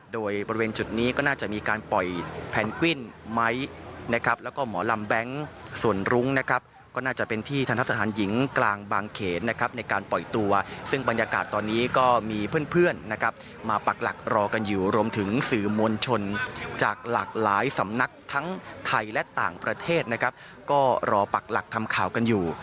โดยบริเวณจุดนี้ก็น่าจะมีการปล่อยแพนกวินไม้นะครับแล้วก็หมอลำแบงค์ส่วนรุ้งนะครับก็น่าจะเป็นที่ทันทะสถานหญิงกลางบางเขนนะครับในการปล่อยตัวซึ่งบรรยากาศตอนนี้ก็มีเพื่อนนะครับมาปักหลักรอกันอยู่รวมถึงสื่อมวลชนจากหลากหลายสำนักทั้งไทยและต่างประเทศนะครับก็รอปักหลักทำข่าวกันอยู่